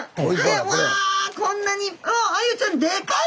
わこんなに！